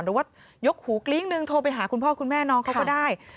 หรือว่ายกหูกลิ้งนึงโทรไปหาคุณพ่อคุณแม่น้องเขาก็ได้